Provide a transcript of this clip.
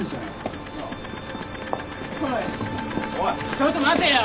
ちょっと待てよ。